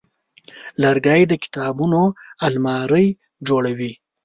لرګی د کتابونو المارۍ جوړوي.